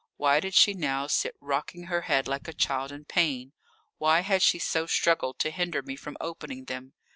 Why did she now sit rocking her head like a child in pain? Why had she so struggled to hinder me from opening them?